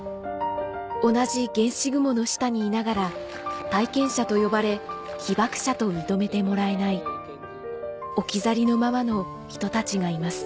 同じ原子雲の下にいながら「体験者」と呼ばれ「被爆者」と認めてもらえない置き去りのままの人たちがいます